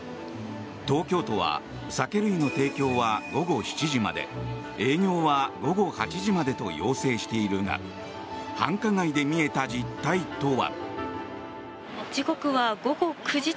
東京都は酒類の提供は午後７時まで営業は午後８時までと要請しているが繁華街で見えた実態とは。